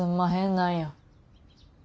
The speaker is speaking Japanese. なんや。